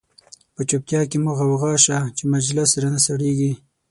په چوپتیا کی مو غوغا شه، چه مجلس را نه سړیږی